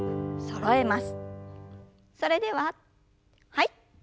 それでははい。